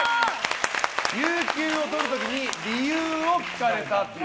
有給をとる時に理由を聞かれたという。